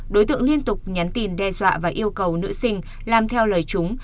đối tượng liên tục nhắn tin đe dọa và yêu cầu nữ sinh làm theo lời chúng